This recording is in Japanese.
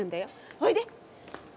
おいで！